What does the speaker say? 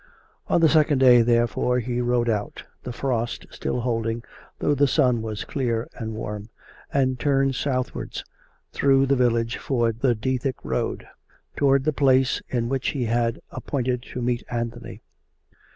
27 On the second day, therefore, he rode out (the frost still holding, though the sun was clear and warm), and turned southwards through the village for the Dethick road, to wards the place in which he had appointed to meet An thony.